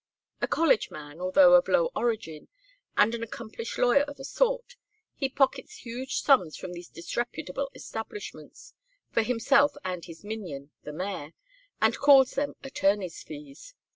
A college man, although of low origin, and an accomplished lawyer of a sort, he pockets huge sums from these disreputable establishments, for himself and his minion, the mayor, and calls them attorney's fees.